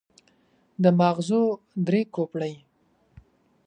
د ماغزو درې کوپړۍ.